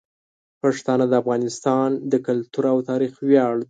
پښتانه د افغانستان د کلتور او تاریخ ویاړ دي.